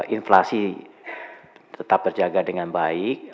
inflasi tetap terjaga dengan baik